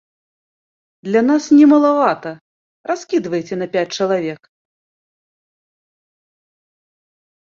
Для нас не малавата, раскідвайце на пяць чалавек.